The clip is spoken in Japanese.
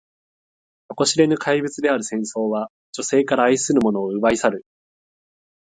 底知れぬ怪物である戦争は、女性から愛する者を奪い去る。